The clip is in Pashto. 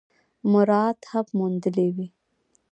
مراعات هم موندلي وي ۔